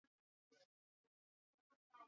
Chakula kitaliwa na vijana hao